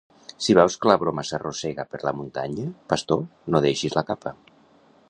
Si veus que la broma s'arrossega per la muntanya, pastor, no deixis la capa.